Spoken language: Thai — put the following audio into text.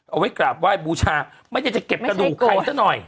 เอาไว้กราบไหว้บูชาไม่ได้จะเก็บกระดูกใครซะหน่อย